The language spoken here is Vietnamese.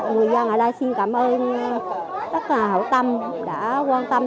người dân ở đây xin cảm ơn tất cả hậu tâm đã quan tâm